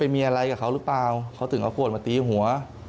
มีอะไรกับเขาหรือเปล่าเขาถึงเอาขวดมาตีหัว